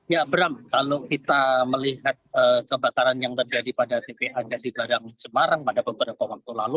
ya bram kalau kita melihat kebakaran yang terjadi pada tpa jati padang semarang pada beberapa waktu lalu